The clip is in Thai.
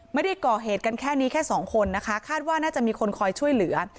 ไม่ได้ก่อเหตุกันแค่นี้แค่สองคนนะคะคาดว่าน่าจะมีคนคอยช่วยเหลือ